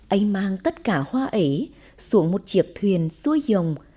anh mang tất cả hoa ấy xuống một chiếc thuyền xuôi dòng